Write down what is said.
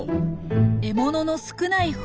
獲物の少ない冬